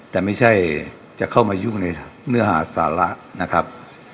แต่ไม่ใช่จะเข้ามายุ่งในเนื้อหาสาระนะครับ